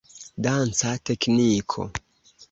Danca tekniko.